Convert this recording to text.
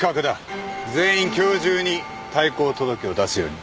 全員今日中に退校届を出すように。